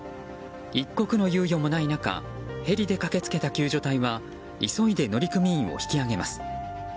一刻の猶予もない中ヘリで駆け付けた救助隊は急いで乗組員を引き上げます。